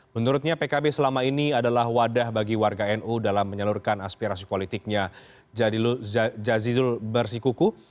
menurutnya pkb selama ini adalah wadah bagi warga nu dalam menyalurkan aspirasi politiknya jazilul bersikuku